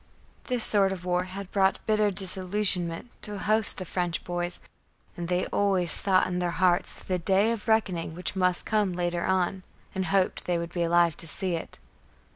This sort of war had brought bitter disillusionment to a host of French boys, and they always thought in their hearts of the day of reckoning which must come later on and hoped that they would be alive to see it.